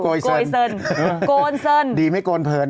โกยเซินโกนเซินดีไม่โกนเพลิน